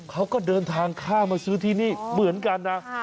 เขาก็เดินทางข้ามมาซื้อที่นี่เหมือนกันนะ